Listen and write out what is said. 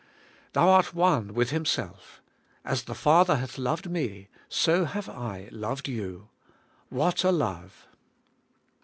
Thou art one with Himself. *As the Father hath loved me, so have I loved you.' What a love!